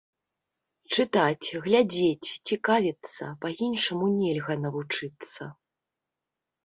Чытаць, глядзець, цікавіцца, па-іншаму нельга навучыцца!